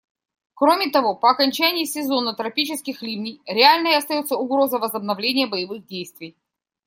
Кроме того, по окончании сезона тропических ливней реальной остается угроза возобновления боевых действий.